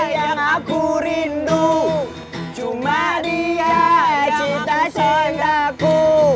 yang aku rindu cuma dia cita citaku